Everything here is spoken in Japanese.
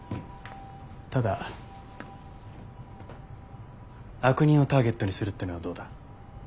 ただ悪人をターゲットにするっていうのはどうだ？